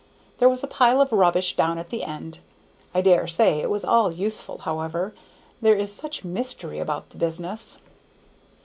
There was a pile of rubbish down at the end; I dare say it was all useful, however, there is such mystery about the business.